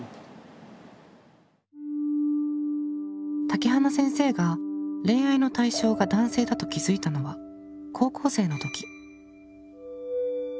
竹花先生が恋愛の対象が男性だと気付いたのは高校生のとき。